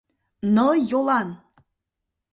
— Ныл йолан!